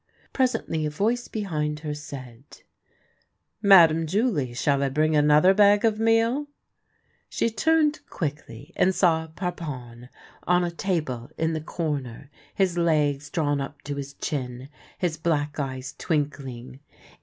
Presently a voice behind her said :" Madame Julie, shall I bring another bag of meal ?" She turned quickly, and saw Parpon on a table in the corner, his legs drawn up to his chin, his black eyes twinkling.